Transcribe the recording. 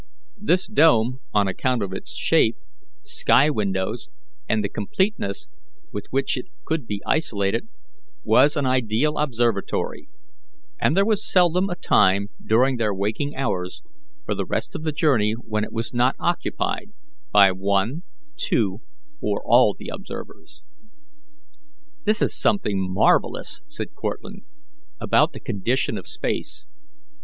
This dome, on account of its shape, sky windows, and the completeness with which it could be isolated, was an ideal observatory, and there was seldom a time during their waking hours for the rest of the journey when it was not occupied by one, two, or all the observers. "There is something marvellous," said Cortlandt, "about the condition of space.